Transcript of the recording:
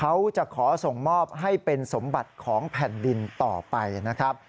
เขาจะขอส่งมอบให้เป็นสมบัติของแผ่นดินต่อไปนะครับ